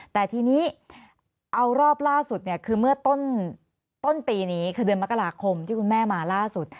แต่ทีนี้เอารอบล่าสุดเนี่ยคือเมื่อต้นปีนี้คือเดือนมกราคมที่คุณแม่มาล่าสุด